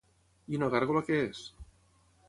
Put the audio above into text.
I una gàrgola què és?